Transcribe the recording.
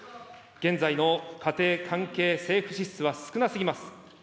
現在の家庭関係政府支出は少なすぎます。